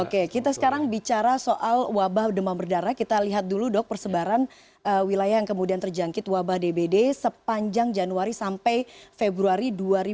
oke kita sekarang bicara soal wabah demam berdarah kita lihat dulu dok persebaran wilayah yang kemudian terjangkit wabah dbd sepanjang januari sampai februari dua ribu dua puluh